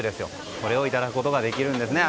これをいただくことができるんです。